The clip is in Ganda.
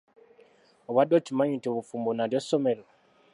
Obadde okimanyi nti obufumbo nalyo ssomero?